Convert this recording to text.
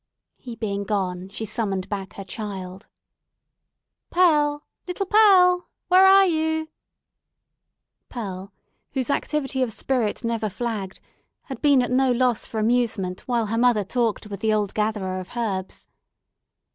He being gone, she summoned back her child. "Pearl! Little Pearl! Where are you?" Pearl, whose activity of spirit never flagged, had been at no loss for amusement while her mother talked with the old gatherer of herbs.